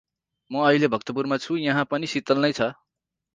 म अहिले भक्तपुरमा छु यहाँ पनि सितल नै छ।